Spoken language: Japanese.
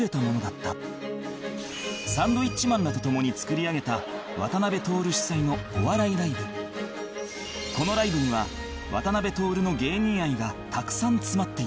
サンドウィッチマンらとともに作り上げたこのライブには渡辺徹の芸人愛がたくさん詰まっていた